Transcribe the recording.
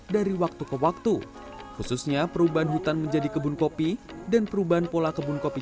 dari waktu ke waktu khususnya perubahan hutan menjadi kebun kopi dan perubahan pola kebun kopi